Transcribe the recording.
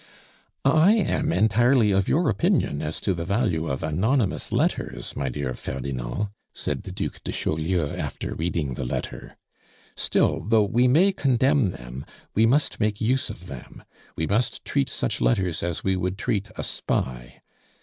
"I am entirely of your opinion as to the value of anonymous letters, my dear Ferdinand," said the Duc de Chaulieu after reading the letter. "Still, though we may contemn them, we must make use of them. We must treat such letters as we would treat a spy.